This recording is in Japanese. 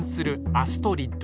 アストリッド！